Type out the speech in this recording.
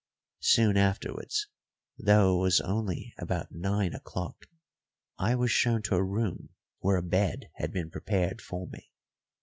Soon afterwards, though it was only about nine o'clock, I was shown to a room where a bed had been prepared for me.